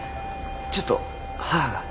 ちょっと母が。